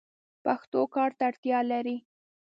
پښتو کار ته اړتیا لري.